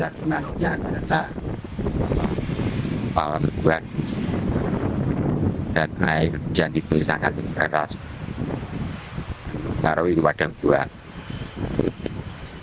kekas taruh itu pada buah